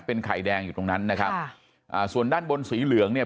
เป็นไข่แดงอยู่ตรงนั้นนะครับค่ะอ่าส่วนด้านบนสีเหลืองเนี่ย